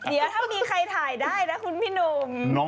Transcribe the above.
เดี๋ยวถ้ามีใครถ่ายได้นะคุณพี่หนุ่ม